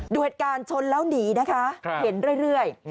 ด้วยการชนแล้วหนีนะคะเห็นเรื่อย